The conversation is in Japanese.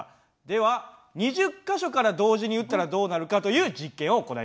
では２０か所から同時に撃ったらどうなるかという実験を行いました。